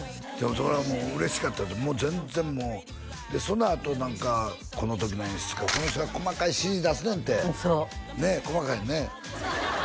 それはもう嬉しかったって全然もうそのあと何かこの時の演出家この人が細かい指示出すねんてそうねえ細かいよね？